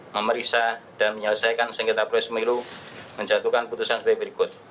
memeriksa dan menyelesaikan senggeta proyek semilu menjatuhkan putusan seperti berikut